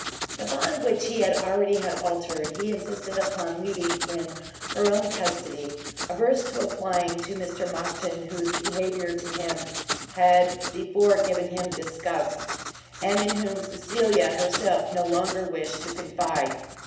The bond which he had already had altered, he insisted upon leaving in her own custody, averse to applying to Mr Monckton, whose behaviour to him had before given him disgust, and in whom Cecilia herself no longer wished to confide.